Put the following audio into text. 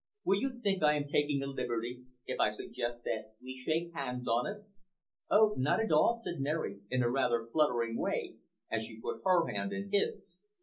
"Will you think I am taking a liberty if I suggest that we shake hands on it?" "Oh, not at all," said Mary, in a rather fluttering way, as she put her hand in his.